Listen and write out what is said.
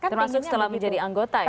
termasuk setelah menjadi anggota ya